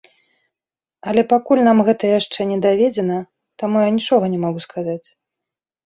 Але пакуль нам гэта яшчэ не даведзена, таму я нічога не магу сказаць.